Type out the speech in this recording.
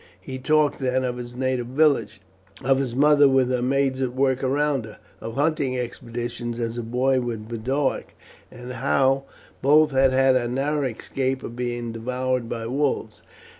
He talked, then, of his native village, of his mother with her maids at work around her, of hunting expeditions as a boy with Boduoc, and how both had had a narrow escape of being devoured by wolves.